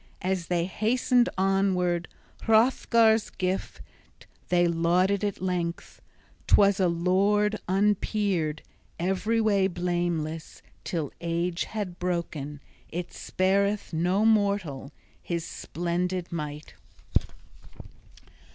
As they hastened onward, Hrothgar's gift they lauded at length. 'Twas a lord unpeered, every way blameless, till age had broken it spareth no mortal his splendid might.